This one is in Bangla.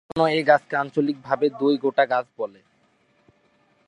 এজন্যে এ গাছকে আঞ্চলিকভাবে দই-গোটা গাছ বলে।